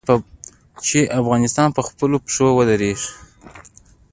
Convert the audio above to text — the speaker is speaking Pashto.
چې افغانستان په خپلو پښو ودریږي.